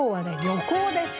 「旅行」です。